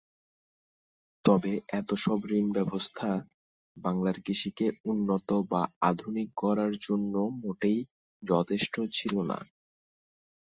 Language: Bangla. তবে এতসব ঋণব্যবস্থা বাংলার কৃষিকে উন্নত বা আধুনিক করার জন্য মোটেই যথেষ্ট ছিল না।